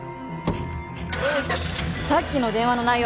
さっきの電話の内容